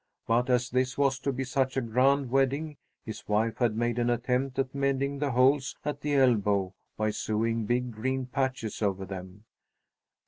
But, as this was to be such a grand wedding, his wife had made an attempt at mending the holes at the elbow by sewing big green patches over them.